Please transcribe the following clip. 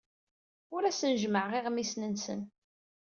Ur asen-jemmɛeɣ iɣmisen-nsen.